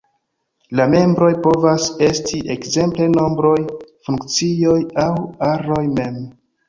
La membroj povas esti ekzemple nombroj, funkcioj, aŭ aroj mem.